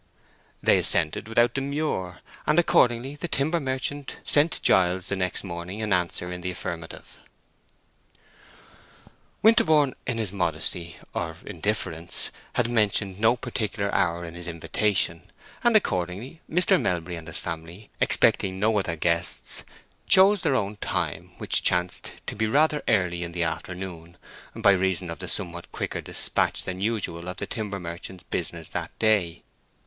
They assented without demur, and accordingly the timber merchant sent Giles the next morning an answer in the affirmative. Winterborne, in his modesty, or indifference, had mentioned no particular hour in his invitation; and accordingly Mr. Melbury and his family, expecting no other guests, chose their own time, which chanced to be rather early in the afternoon, by reason of the somewhat quicker despatch than usual of the timber merchant's business that day.